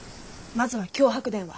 まずは脅迫電話。